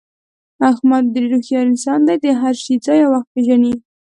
احمد ډېر هوښیار انسان دی، د هر شي ځای او وخت پېژني.